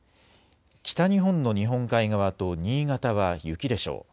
北日本の日本海側と新潟は雪でしょう。